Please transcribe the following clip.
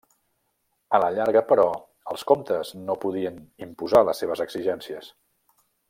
A la llarga però els comtes no podien imposar les seves exigències.